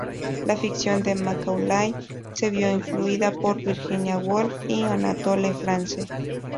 La ficción de Macaulay se vio influida por Virginia Woolf y Anatole France.